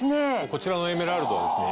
こちらのエメラルドはですね